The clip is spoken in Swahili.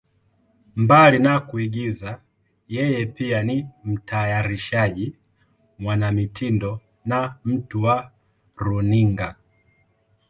Mbali na kuigiza, yeye pia ni mtayarishaji, mwanamitindo na mtu wa runinga.